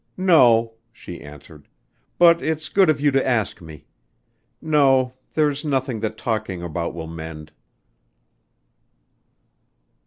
"No," she answered. "But it's good of you to ask me. No, there's nothing that talking about will mend."